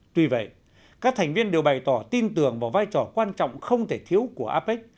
tuy vậy các thành viên đều bày tỏ tin tưởng vào vai trò quan trọng không thể thiếu của apec